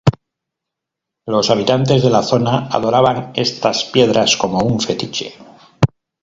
Los habitantes de la zona adoraban estas piedras como un fetiche.